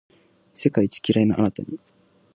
世界一キライなあなたに